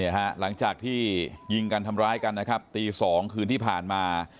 หลังจากที่ยิงกันทำร้ายกันนะครับตี๒คืนที่ผ่านมา